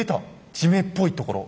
地名っぽいところ。